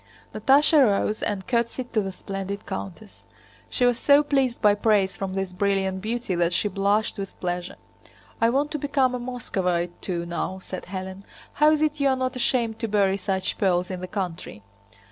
Natásha rose and curtsied to the splendid countess. She was so pleased by praise from this brilliant beauty that she blushed with pleasure. "I want to become a Moscovite too, now," said Hélène. "How is it you're not ashamed to bury such pearls in the country?"